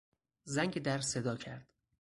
زنگ در صدا کرد.